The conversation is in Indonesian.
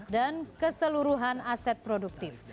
dan keseluruhan aset produktif